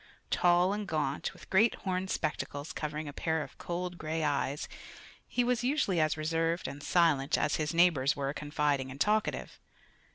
Tall and gaunt, with great horn spectacles covering a pair of cold gray eyes, he was usually as reserved and silent as his neighbors were confiding and talkative.